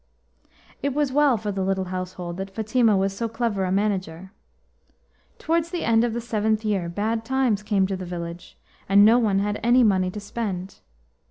It was well for the little household that Fatima was so clever a manager. Towards the end of the seventh year bad times came to the village, and no one had any money to spend.